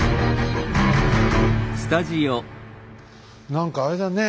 何かあれだね